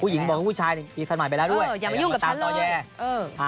ผู้หญิงบอกว่าผู้ชายมีแฟนใหม่ไปแล้วด้วยอย่ามายุ่งกับฉันเลย